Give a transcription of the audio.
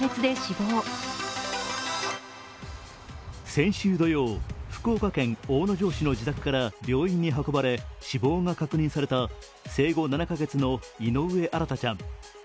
先週土曜、福岡県大野城市の自宅から病院に運ばれ死亡が確認された生後７カ月の井上新大ちゃん。